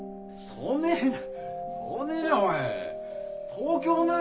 そねぇな